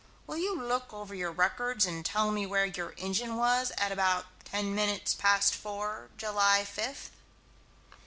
Will you look over your records and tell me where your engine was at about ten minutes past four, July fifth?"